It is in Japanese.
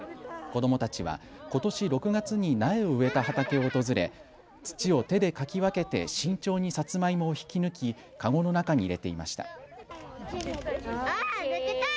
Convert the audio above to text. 子どもたちは、ことし６月に苗を植えた畑を訪れ土を手でかき分けて慎重にさつまいもを引き抜き籠の中に入れていました。